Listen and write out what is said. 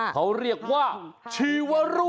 เขาเรียกว่าชีวรุ